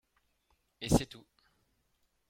Et c'est tout